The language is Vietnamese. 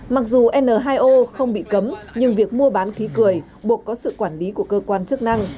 mặc dù n hai o không bị cấm nhưng việc mua bán khí cười buộc có sự quản lý của cơ quan chức năng